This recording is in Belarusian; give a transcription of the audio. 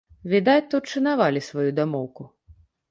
Відаць, тут шанавалі сваю дамоўку.